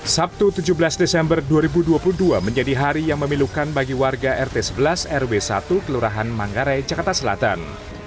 sabtu tujuh belas desember dua ribu dua puluh dua menjadi hari yang memilukan bagi warga rt sebelas rw satu kelurahan manggarai jakarta selatan